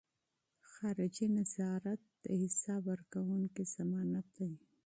خارجي نظارت د حساب ورکونې ضمانت دی.